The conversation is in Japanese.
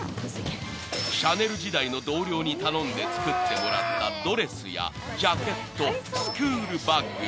［シャネル時代の同僚に頼んで作ってもらったドレスやジャケットスクールバッグ］